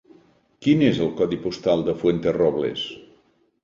Quin és el codi postal de Fuenterrobles?